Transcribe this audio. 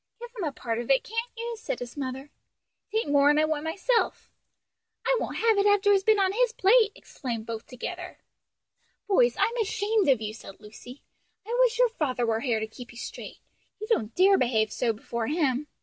"Give him a part of it, can't you?" said his mother. "'Tain't more'n I want myself." "I won't have it after it's been on his plate," exclaimed both together. "Boys, I'm ashamed of you!" said Lucy, "I wish your father were here to keep you straight. You don't dare behave so before him.